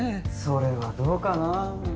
それはどうかな。